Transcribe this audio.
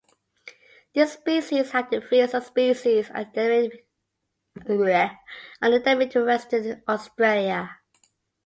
This species and the three subspecies are endemic to Western Australia.